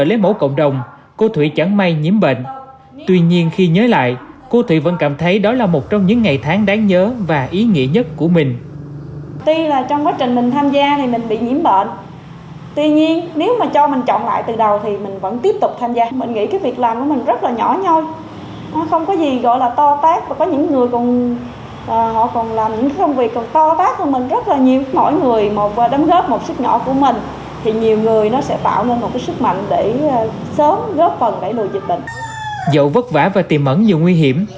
để sớm góp phần đẩy lùi dịch bệnh dẫu vất vả và tiềm ẩn nhiều nguy hiểm